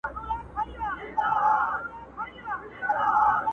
که یو ځلي دي نغمه کړه راته سازه؛